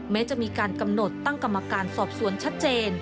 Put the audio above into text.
แม้จะมีการกำหนดตั้งกรรมการสอบสวนชัดเจน